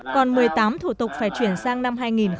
còn một mươi tám thủ tục phải chuyển sang năm hai nghìn một mươi chín